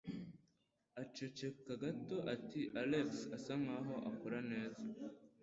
Aceceka gato ati: "Alex asa nkaho akora neza".